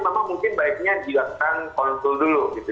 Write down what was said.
jadi memang mungkin baiknya dijuangkan konsul dulu gitu